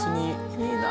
いいな。